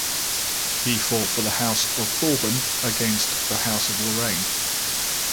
He fought for the House of Bourbon against the House of Lorraine.